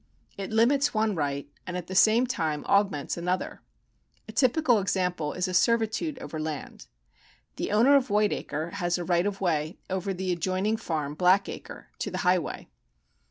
It limits one right, and at the same time augments another. A typical example is a servitude over land. The owner of Whitcacre has aright of way over the adjoining farm Black acre to the highway.